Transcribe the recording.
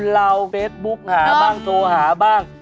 เราเฟซบุ๊กหาบ้างโทรหาบ้าง